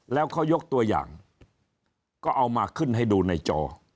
แล้วเขายกตัวอย่างก็เอามาขึ้นให้ดูในจอ